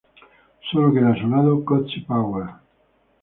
Solo queda a su lado Cozy Powell.